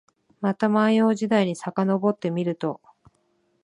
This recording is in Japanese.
また万葉時代にさかのぼってみると、